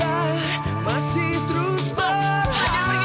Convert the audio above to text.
aku mau pulang aku mau pulang